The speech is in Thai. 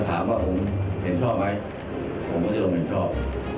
ถามว่าผมเห็นชอบไหมผมก็จะลงเห็นชอบ